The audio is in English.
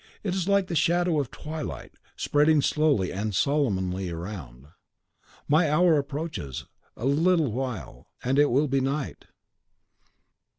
It is like the shadow of twilight, spreading slowly and solemnly around. My hour approaches: a little while, and it will be night!"